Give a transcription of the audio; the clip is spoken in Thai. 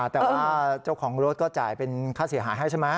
แต่ว่าเจ้าของรถก็จ่ายเป็นค่าเสียหายให้ใช่ไหม